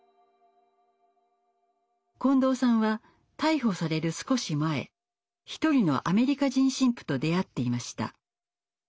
近藤さんは逮捕される少し前一人のアメリカ人神父と出会っていました。